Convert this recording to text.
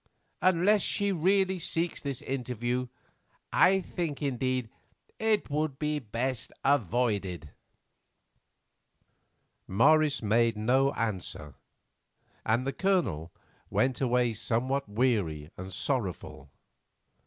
Unless she really seeks this interview, I think, indeed, it would be best avoided." Morris made no answer, and the Colonel went away somewhat weary and sorrowful.